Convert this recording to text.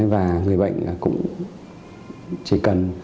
và người bệnh cũng chỉ cần